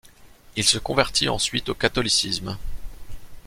Il se convertit ensuite au catholicisme.